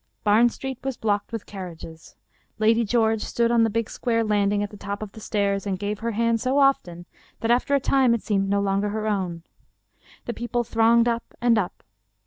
Barn Street was blocked with carriages. Lady George stood on the big square landing at the top of the stairs and gave her hand so often that after a time it seemed no longer her own. The people thronged up and up.